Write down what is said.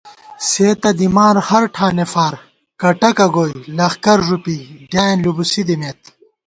سے تہ دِمان ہر ٹھانے فار کٹَکہ گوئی، لخکر ݫُپی ڈیائېن لُبُوسی دِمېت